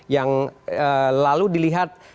yang lalu dilihat